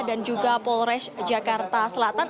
dan juga polres jakarta selatan